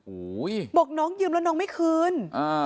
โอ้โหบอกน้องยืมแล้วน้องไม่คืนอ่า